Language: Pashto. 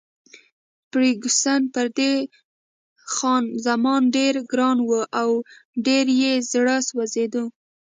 فرګوسن پر دې خان زمان ډېره ګرانه وه او ډېر یې زړه سوځېده.